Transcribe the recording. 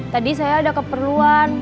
tadi saya ada keperluan